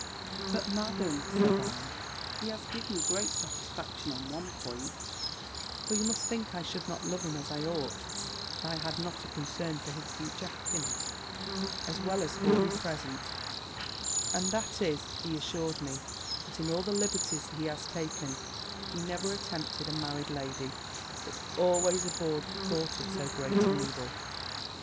"O but, Madam," said I, "he has given me great satisfaction in one point; for you must think I should not love him as I ought, if I had not a concern for his future happiness, as well as for his present; and that is, he has assured me, that in all the liberties he has taken, he never attempted a married lady, but always abhorred the thought of so great an evil."